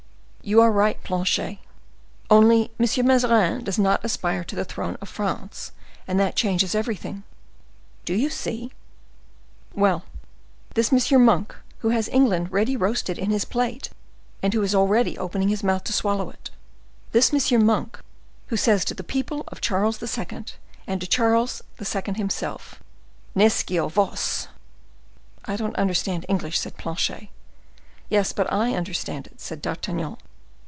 "You are right, Planchet; only M. Mazarin does not aspire to the throne of France; and that changes everything. Do you see? Well, this M. Monk, who has England ready roasted in his plate, and who is already opening his mouth to swallow it—this M. Monk, who says to the people of Charles II., and to Charles II. himself, 'Nescio vos'—" "I don't understand English," said Planchet. "Yes, but I understand it," said D'Artagnan.